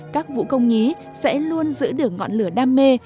các vũ công nhí sẽ luôn giữ được ngọn lửa đam mê